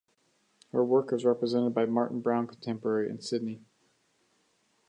Her work is represented by Martin Browne Contemporary in Sydney.